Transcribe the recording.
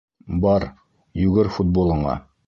Бар, йүгер футболыңа!